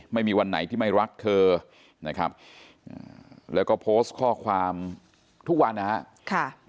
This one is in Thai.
ไม่มีวันไหนที่ไม่รักเธอนะครับแล้วก็โพสต์ข้อความทุกวันนะครับ